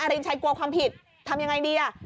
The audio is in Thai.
รินชัยกลัวความผิดทำยังไงดีอ่ะ